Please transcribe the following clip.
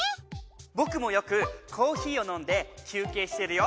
僕もよくコーヒーを飲んで休憩してるよ。